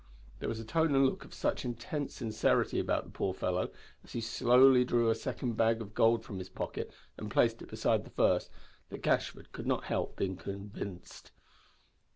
There was a tone and look of such intense sincerity about the poor fellow, as he slowly drew a second bag of gold from his pocket and placed it beside the first, that Gashford could not help being convinced.